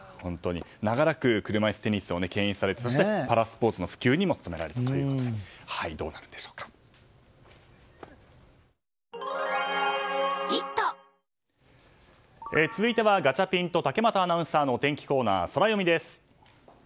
長らく車いすテニスを牽引されてパラスポーツの普及にも貢献されたということで続いてはガチャピンと竹俣アナウンサーのお天気コーナー、ソラよみです。